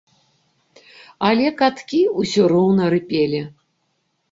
Але каткі ўсё роўна рыпелі.